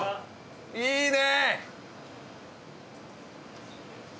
いいね！